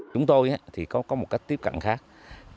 chúng tôi có một tiếp cận khác